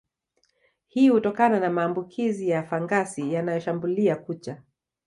Hii hutokana na maambukizi ya fangasi yanayoshambulia kucha